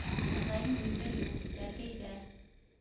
Ағайың өйҙә юҡ, Сәргәйҙә.